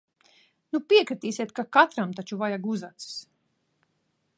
Nu piekritīsiet, ka katram taču vajag uzacis?